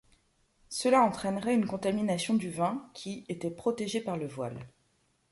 Cela entraînerait une contamination du vin qui était protégé par le voile.